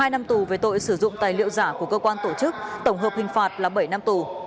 một mươi năm tù về tội sử dụng tài liệu giả của cơ quan tổ chức tổng hợp hình phạt là bảy năm tù